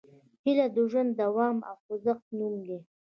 هیله د ژوند د دوام او خوځښت نوم دی.